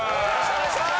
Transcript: お願いします！